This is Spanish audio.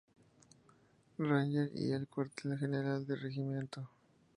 Ranger y el Cuartel General del regimiento.